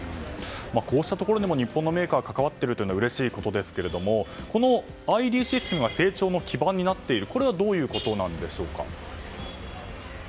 こうしたところにも日本のメーカーが関わっているのはうれしいことですけどもこのＩＤシステムが成長の基盤になっているこれはどういうことなんでしょうか。